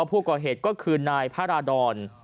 ผู้ก่อเหตุก็คือนายพระราดร